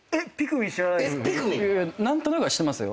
何となくは知ってますよ。